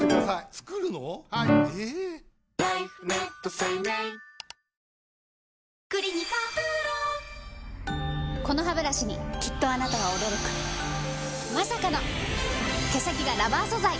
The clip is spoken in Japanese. すごい！このハブラシにきっとあなたは驚くまさかの毛先がラバー素材！